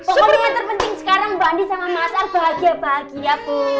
pokoknya yang terpenting sekarang mbak andi sama mas ar bahagia bahagia bu